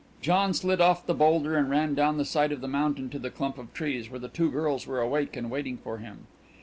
John slid off the boulder and ran down the side of the mountain to the clump of trees, where the two girls were awake and waiting for him.